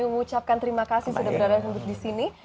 mengucapkan terima kasih sudah berada di sini